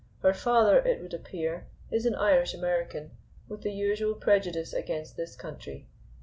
Her father, it would appear, is an Irish American, with the usual prejudice against this country.